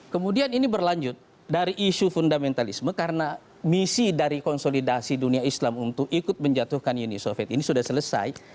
kemudian ini berlanjut dari isu fundamentalisme karena misi dari konsolidasi dunia islam untuk ikut menjatuhkan uni soviet ini sudah selesai